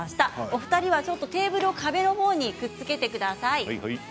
お二人はテーブルを壁のほうにくっつけてください。